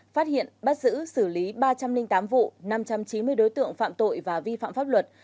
phát hiện bắt giữ xử lý ba trăm linh tám vụ năm trăm chín mươi đối tượng phạm tội và vi phạm pháp luật